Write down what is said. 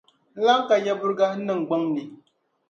n lan ka yaburiga n niŋgbuŋ ni.